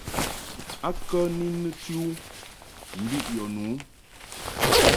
A kə ni nɨti u mbiʼ yɔ nu ?